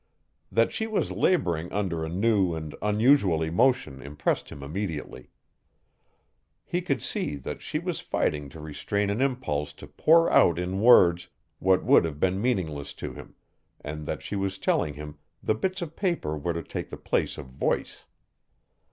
That she was laboring under a new and unusual emotion impressed him immediately. He could see that she was fighting to restrain an impulse to pour out in words what would have been meaningless to him, and that she was telling him the bits of paper were to take the place of voice.